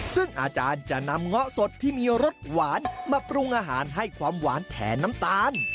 ซึ่งอาจารย์จะนำเงาะสดที่มีรสหวานมาปรุงอาหารให้ความหวานแทนน้ำตาล